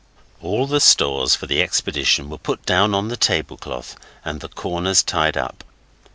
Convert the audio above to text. All the stores for the expedition were put down on the tablecloth and the corners tied up.